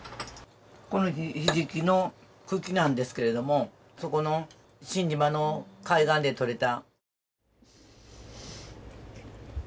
このひじきの茎なんですけれどもそこの新島の海岸でとれた。